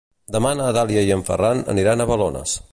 Demà na Dàlia i en Ferran aniran a Balones.